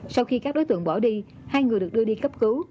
sau khi các đối tượng bỏ đi hai người được đưa đi cấp cứu